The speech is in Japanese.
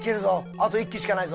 あと１機しかないぞ。